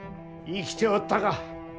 生きておったか。